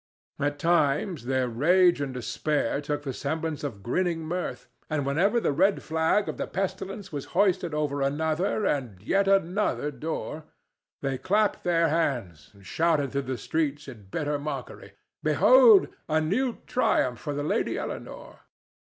At times their rage and despair took the semblance of grinning mirth; and whenever the red flag of the pestilence was hoisted over another and yet another door, they clapped their hands and shouted through the streets in bitter mockery: "Behold a new triumph for the Lady Eleanore!"